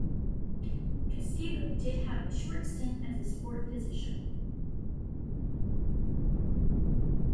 Castillo did have a short stint as a sport physician.